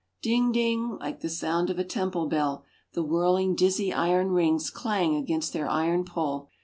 Ding, ding like the sound of a temple bell the whirling, dizzy iron rings clang against their iron pole.